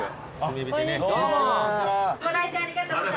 こんにちは。